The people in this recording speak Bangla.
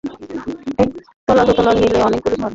একতলা দোতলা মিলে অনেকগুলি ঘর।